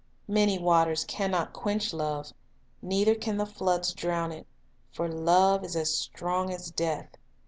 " Many waters can not quench love, Neither can the floods drown it;" " For love is strong as death."